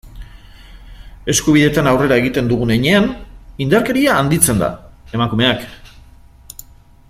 Eskubideetan aurrera egiten dugun heinean, indarkeria handitzen da, emakumeak.